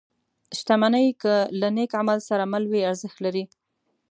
• شتمني که له نېک عمل سره مل وي، ارزښت لري.